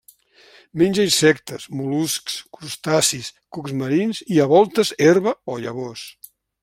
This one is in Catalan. Menja insectes, mol·luscs, crustacis, cucs marins i, a voltes, herba o llavors.